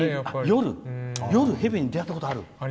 夜蛇に出会ったことある？